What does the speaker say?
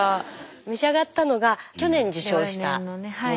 召し上がったのが去年受賞したものですよね。